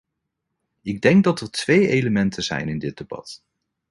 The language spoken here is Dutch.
Ik denk dat er twee elementen zijn in dit debat.